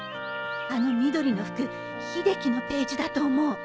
あの緑の服秀樹のページだと思う。